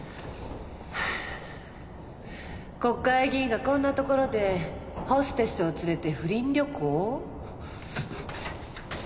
国会議員がこんなところでホステスを連れて不倫旅行？